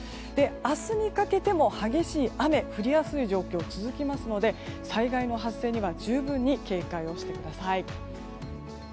明日にかけても激しい雨降りやすい状況が続きますので災害の発生には十分に警戒をしてください。